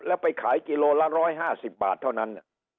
แล้วไปขายกิโลละ๑๕๐บาทเท่านั้น